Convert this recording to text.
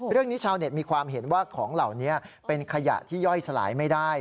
เรื่องนี้ชาวเน็ตมีความเห็นว่าของเหล่านี้เป็นขยะที่ย่อยสลายไม่ได้